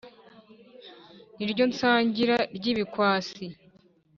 Ni ryo sangira ry’ibikwasi